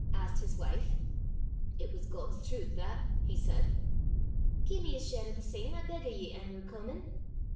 asked his wife. "It was God's trowth 'at," he said. "Gie me a share o' the same I beg o' ye, Anerew Comin."